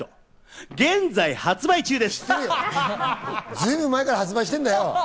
随分前から発売してんだよ！